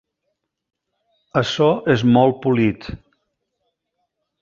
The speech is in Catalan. Açò és molt polit.